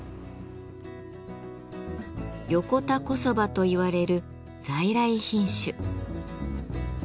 「横田小そば」といわれる在来品種。